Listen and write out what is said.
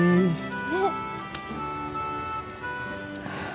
ああ